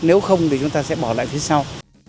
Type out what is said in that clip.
nếu không thì chúng ta sẽ bỏ lại phía sau